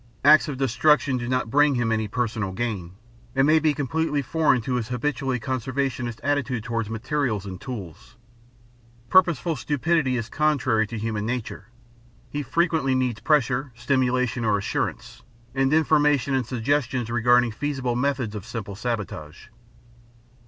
Acts of destruction do not bring him any personal gain and may be completely foreign to his habitually conservationist attitude toward materials and tools. Purposeful stupidity is contrary to human nature. He frequently needs pressure, stimulation or assurance, and information and suggestions regarding feasible methods of simple sabotage.